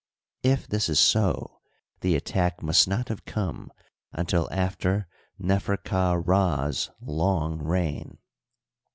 If this is so, the attack must not have come until after Ne ferka Rd's long reign.